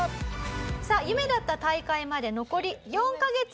さあ夢だった大会まで残り４カ月。